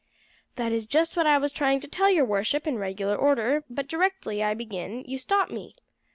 "That is just what I was trying to tell your worship in regular order, but directly I begin you stop me.